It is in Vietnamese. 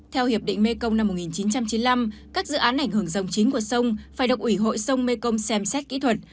theo hiệp định mekong năm một nghìn chín trăm chín mươi năm các dự án ảnh hưởng dòng chính của sông phải được ủy hội sông mekong xem xét kỹ thuật